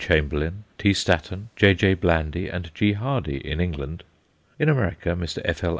Chamberlain, T. Statten, J.J. Blandy, and G. Hardy, in England; in America, Mr. F.L.